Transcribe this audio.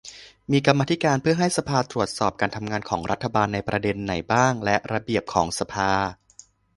มีกรรมธิการ เพื่อให้สภาตรวจสอบการทำงานของรัฐบาลในประเด็นไหนบ้าง และ ระเบียบของสภา